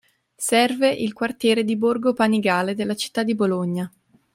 Serve il quartiere di Borgo Panigale della città di Bologna.